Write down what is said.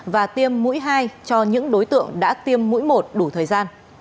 và tiêm mũi hai cho những đối tượng đã tiêm mũi một đủ thời gian